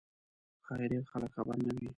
ښایي ډېر خلک خبر نه وي.